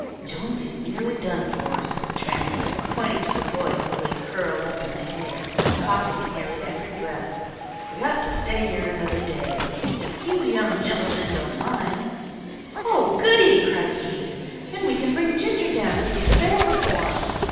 "Jonesy's nearly done for," said the tramp, pointing to the boy who lay curled up in the hay, coughing at nearly every breath. "We ought to stay here another day, if you young gen'lemen don't object." "Oh, goody!" cried Keith. "Then we can bring Ginger down to see the bear perform."